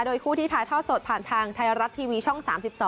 โดยคู่ที่ถ่ายทอดสดผ่านทางไทยรัฐทีวีช่อง๓๒